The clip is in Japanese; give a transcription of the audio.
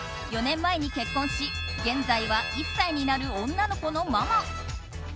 ４年前に結婚し現在は１歳になる女の子のママ。